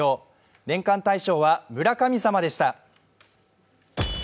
年間大賞は「村神様」でした。